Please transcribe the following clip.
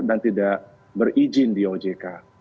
dan tidak berizin di ojk